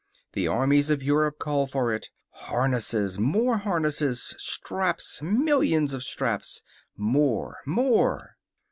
The armies of Europe called for it. Harnesses! More harnesses! Straps! Millions of straps. More! More!